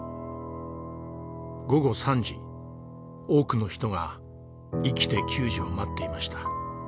午後３時多くの人が生きて救助を待っていました。